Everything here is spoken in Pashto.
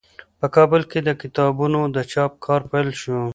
په کابل کې د کتابونو د چاپ کار پیل شو.